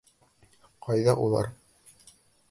Ҡайҙа улар?